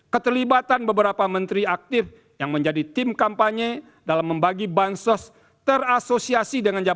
keterlibatan beberapa menteri aktif yang menjadi tim kampanye dalam membagi bansos terasosiasi